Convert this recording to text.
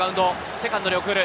セカンドに送る。